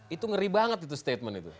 itu ngeri banget itu